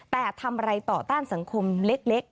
แต่ทำอะไรต่อต้านสังคมเล็ก